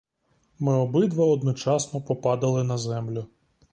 Ми обидва одночасно попадали на землю.